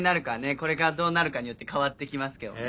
これからどうなるかによって変わってきますけどね。